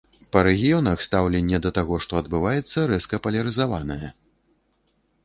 Па рэгіёнах стаўленне да таго, што адбываецца, рэзка палярызаванае.